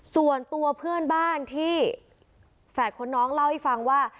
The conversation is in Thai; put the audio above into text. ส่วนตัวเพื่อนบ้านที่แฝดคนน้องเล่าให้ฟังว่า